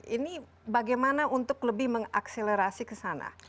ini bagaimana untuk lebih mengakselerasi ke sana